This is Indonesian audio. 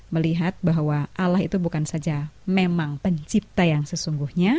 mari berjalan ke sion